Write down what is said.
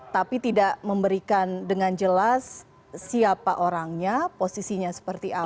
tapi tidak memberikan dengan jelas siapa orangnya posisinya seperti apa